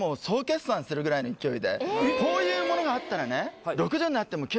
私がもうこういうものがあったらね